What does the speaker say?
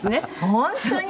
本当に？